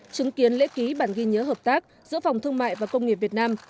chứng kiến lễ ký bản ghi nhớ hợp tác giữa phòng thương mại và công nghiệp việt nam